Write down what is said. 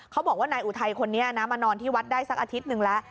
เขาบอกว่านายอุทัยคนนี้นะมานอนที่วัดได้สักอาทิตย์หนึ่งแล้ว